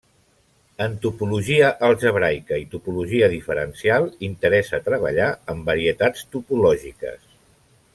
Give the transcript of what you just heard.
En topologia algebraica i topologia diferencial interessa treballar amb varietats topològiques.